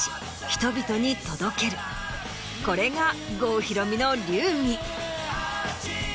これが郷ひろみの流儀。